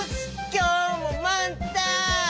きょうもまんたん！